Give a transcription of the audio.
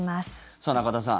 さあ、中田さん。